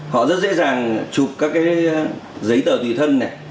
họ rất dễ dàng chụp các giấy tờ tùy thân